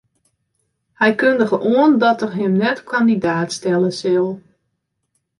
Hy kundige oan dat er him net kandidaat stelle sil.